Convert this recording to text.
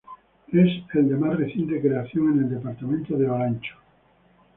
Es el de más reciente creación en el departamento Olancho.